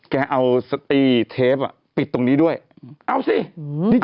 แกเอาพาบันทึกใส่ให้แล้วเอาท์สะตีนะ